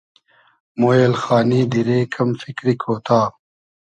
مۉ اېلخانی دیرې کئم فیکری کۉتا